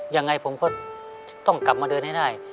ยังไงผมก็ต้องกลับมาเดินให้ได้